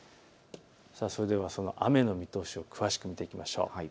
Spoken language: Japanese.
それではその雨の見通しを詳しく見ていきましょう。